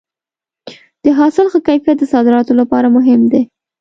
د حاصل ښه کیفیت د صادراتو لپاره مهم دی.